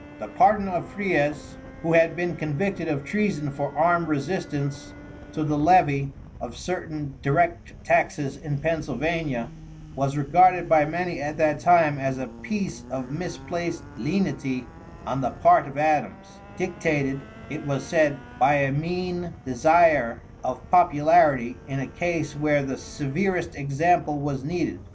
The pardon of Fries, who had been convicted of treason for armed resistance to the levy of certain direct taxes in Pennsylvania, was regarded by many at that time as a piece of misplaced lenity on the part of Adams, dictated, it was said, by a mean desire of popularity in a case where the severest example was needed.